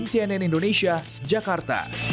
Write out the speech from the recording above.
cenin indonesia jakarta